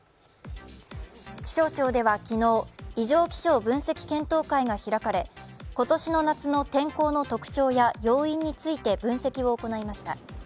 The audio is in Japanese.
気象庁では昨日、異常気象分析検討会が開かれ、今年の夏の天候の特徴や、要因について分析を行いました。